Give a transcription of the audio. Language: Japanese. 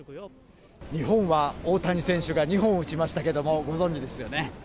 日本は、大谷選手が２本を打ちましたけども、ご存じですよね？